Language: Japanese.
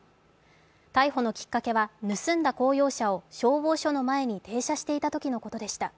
逮捕のきっかけは盗んだ公用車を消防車の前に停車していたときのことでした。